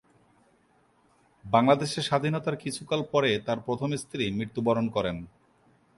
বাংলাদেশের স্বাধীনতার কিছুকাল পরে তার প্রথম স্ত্রী মৃত্যুবরণ করেন।